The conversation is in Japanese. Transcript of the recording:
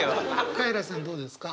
カエラさんどうですか？